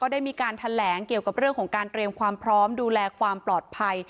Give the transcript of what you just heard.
ได้มีการแถลงเกี่ยวกับเรื่องของการเตรียมความพร้อมดูแลความปลอดภัย